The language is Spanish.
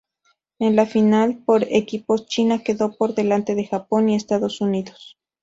En la final por equipos China quedó por delante de Japón y Estados Unidos.